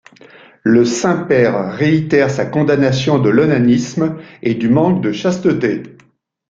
Le Saint-Père réitère sa condamnation de l'onanisme et du manque de chasteté.